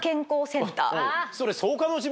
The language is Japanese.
それ。